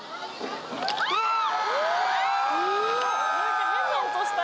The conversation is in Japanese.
あっ！